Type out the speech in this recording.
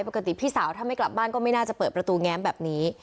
พี่สาวถ้าไม่กลับบ้านก็ไม่น่าจะเปิดประตูแง้มแบบนี้